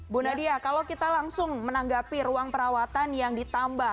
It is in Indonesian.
bu nadia kalau kita langsung menanggapi ruang perawatan yang ditambah